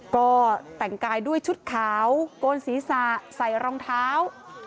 ก็แต่งกายด้วยชุดขาวโกนศีรษะใส่รองเท้า